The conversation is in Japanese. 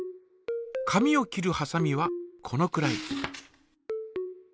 紙を切るはさみはこのくらい。